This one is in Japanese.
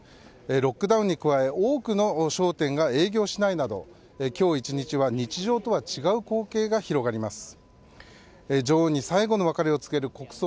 ロックダウンに加え多くの商店が営業しないなど今日１日は日常とは違う光景が広がります。